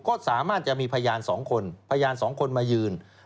ก็สามารถจะมีพยาน๒คนพยาน๒คนมายืน